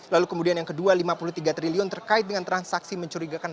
lalu kemudian yang kedua lima puluh tiga triliun terkait dengan transaksi mencurigakan